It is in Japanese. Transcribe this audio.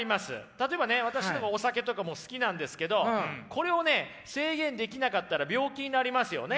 例えばね私お酒とかも好きなんですけどこれをね制限できなかったら病気になりますよね。